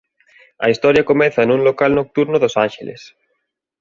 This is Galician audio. A historia comeza nun local nocturno dos Ánxeles.